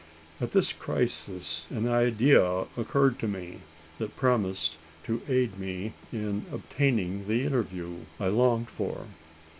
At this crisis an idea occurred to me, that promised to aid me in obtaining the interview I longed for.